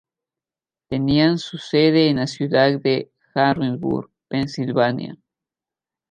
Tenían su sede en la ciudad de Harrisburg, Pensilvania.